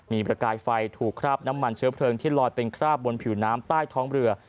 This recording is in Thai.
มีประกายไฟถูกคราบน้ำมันเชื้อเพลิงที่ลอยเป็นคราบบนผิวน้ำใต้ท้องเรือ